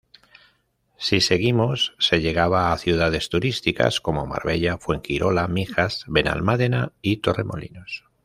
Si seguimos se llegaba a ciudades turísticas como Marbella, Fuengirola, Mijas, Benalmádena y Torremolinos.